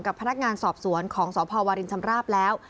กับพนักงานสอบสวนของสภวรินทร์ธรรมราบแล้ว